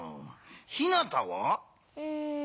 ひなたは？